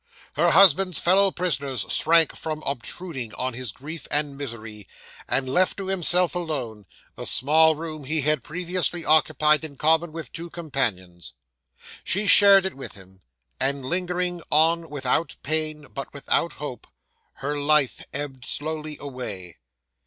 Her husband's fellow prisoners shrank from obtruding on his grief and misery, and left to himself alone, the small room he had previously occupied in common with two companions. She shared it with him; and lingering on without pain, but without hope, her life ebbed slowly away.